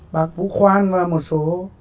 bác vũ khoan và một số